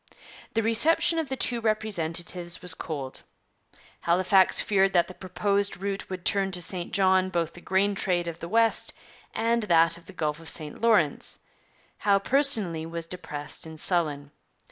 The reception of the two representatives was cold. Halifax feared that the proposed route would turn to St John both the grain trade of the west and that of the Gulf of St Lawrence. Howe personally was depressed and sullen.